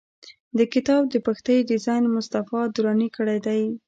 د کتاب د پښتۍ ډیزاین مصطفی دراني کړی دی.